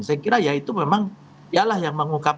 saya kira ya itu memang yalah yang mengungkap